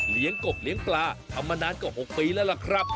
เลี้ยงกบเลี้ยงปลาเอามานานก็๖ปีแล้วแหละครับ